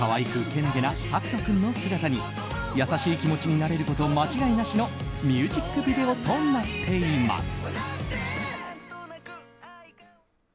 健気なサクト君の姿に優しい気持ちになれること間違いなしのミュージックビデオとなっています。